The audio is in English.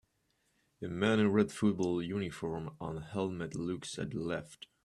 A man in a red football uniform and helmet looks to the left.